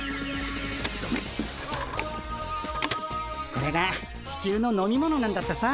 これがチキュウの飲み物なんだってさ。